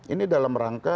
ini dalam rangka